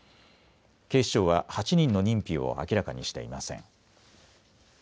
警視庁は８人の認否を明らかにしていません。